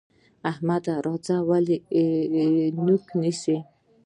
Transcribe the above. احمده! راځه ولې دې نوک نيو؟